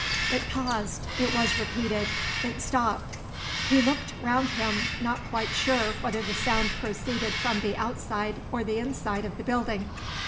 It paused; it was repeated; it stopped. He looked round him, not quite sure whether the sound proceeded from the outside or the inside of the building.